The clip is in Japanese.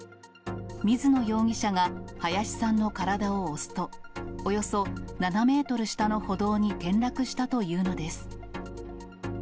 水野容疑者が、林さんの体を押すと、およそ７メートル下の歩道に転落したというのです。